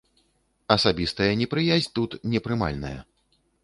Асабістая непрыязь тут непрымальная.